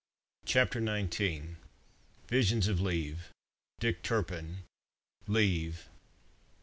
CHAPTER XIX VISIONS OF LEAVE DICK TURPIN LEAVE!